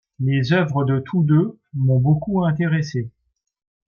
Les œuvres de tous deux m'ont beaucoup intéressé.